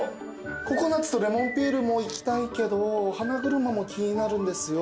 ココナッツとレモンピールもいきたいけどはなぐるまも気になるんですよ。